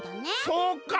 そうか。